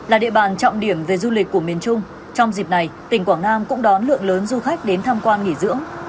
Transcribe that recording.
là địa bàn trọng điểm về du lịch của miền trung trong dịp này tỉnh quảng nam cũng đón lượng lớn du khách đến tham quan nghỉ dưỡng